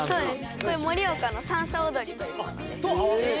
これ盛岡のさんさ踊りというものです。